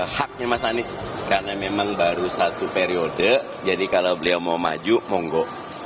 haknya mas anies karena memang baru satu periode jadi kalau beliau mau maju monggo